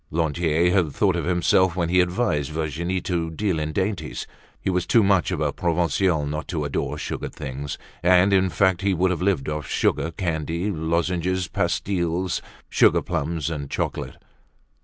Lantier had thought of himself when he advised Virginie to deal in dainties. He was too much of a Provincial not to adore sugared things; and in fact he would have lived off sugar candy, lozenges, pastilles, sugar plums and chocolate.